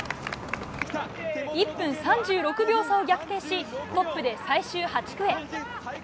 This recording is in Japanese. １分３６秒差を逆転しトップで最終８区へ。